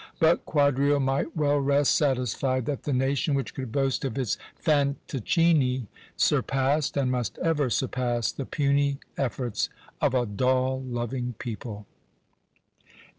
But Quadrio might well rest satisfied that the nation which could boast of its Fantoccini, surpassed, and must ever surpass the puny efforts of a doll loving people!